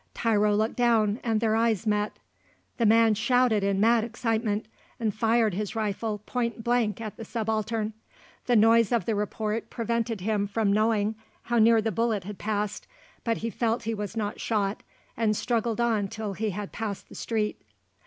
Tiro looked down and their eyes met. The man shouted in mad excitement, and fired his rifle point blank at the Subaltern. The noise of the report prevented him from knowing how near the bullet had passed; but he felt he was not shot, and struggled on till he had passed the street.